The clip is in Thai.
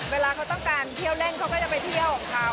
เวลาเขาต้องการเที่ยวเล่นเขาก็จะไปเที่ยวของเขา